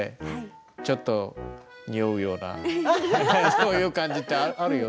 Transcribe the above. そういう感じってあるよね。